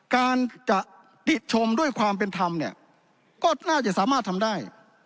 การจะดิชมด้วยความเป็นธรรมเนี่ยก็น่าจะสามารถทำได้